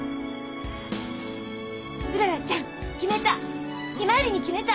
うららちゃん決めた！